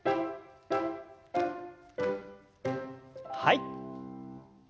はい。